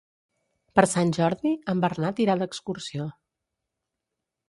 Per Sant Jordi en Bernat irà d'excursió.